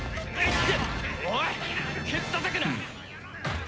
おいケツたたくな！